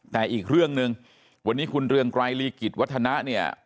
แต่อีกเรื่องหนึ่งวันนี้คุณเรืองไกรลีกิจวัฒนะเนี่ย